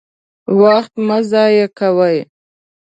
وخت مه ضايع کوئ!